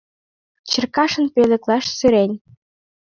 — Черкашин пӧлеклаш сӧрен.